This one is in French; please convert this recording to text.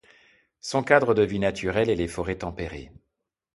Son cadre de vie naturel est les forêts tempérées.